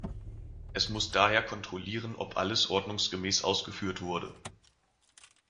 Es muss daher kontrollieren, ob alles ordnungsgemäß ausgeführt wurde.